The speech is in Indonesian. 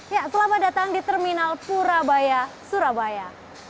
ya selamat datang di terminal purabaya surabaya